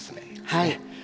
はい。